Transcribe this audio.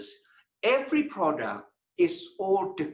setiap produk berbeda